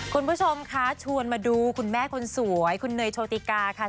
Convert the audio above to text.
คุณผู้ชมคะชวนมาดูคุณแม่คนสวยคุณเนยโชติกาค่ะ